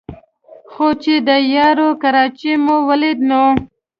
خو چې د یارو کراچۍ مې ولېده نو